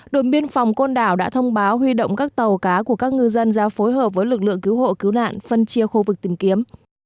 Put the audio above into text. đồn biên phòng côn đảo đã thông báo huy động các tàu cá của các ngư dân ra phối hợp với lực lượng cứu hộ cứu nạn phân chia khu vực tìm kiếm